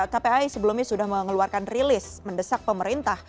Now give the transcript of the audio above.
kpai sebelumnya sudah mengeluarkan rilis mendesak pemerintah